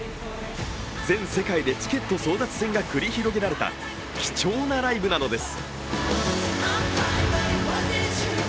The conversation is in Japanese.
全世界でチケット争奪戦が繰り広げられた貴重なライブなのです。